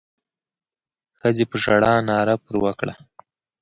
ښځې په ژړا ناره پر وکړه.